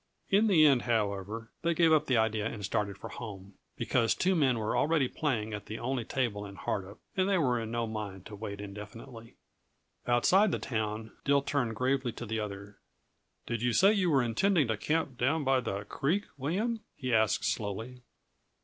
In the end, however, they gave up the idea and started for home; because two men were already playing at the only table in Hardup, and they were in no mind to wait indefinitely. Outside the town, Dill turned gravely to the other, "Did you say you were intending to camp down by the creek, William?" he asked slowly.